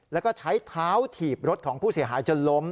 แล้วก็ใช้เท้าถีบรถของผู้เสียหายจนล้ม